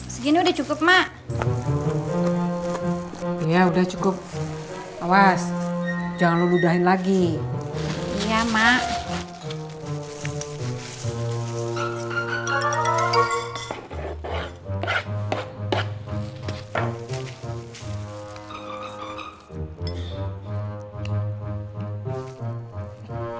segini udah cukup mak ya udah cukup awas jangan mudahin lagi ya mak